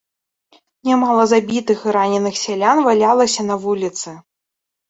Нямала забітых і раненых сялян валялася на вуліцы.